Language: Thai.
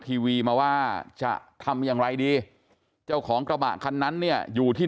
ทีวีมาว่าจะทำอย่างไรดีเจ้าของกระบะคันนั้นเนี่ยอยู่ที่